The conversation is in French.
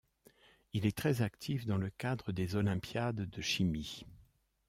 Il est très actif dans le cadre des Olympiades de chimie.